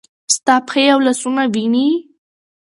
ستا پښې او لاسونه وینې ؟